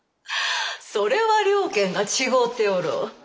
それは了見が違うておろう。